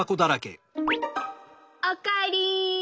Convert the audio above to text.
おかえり。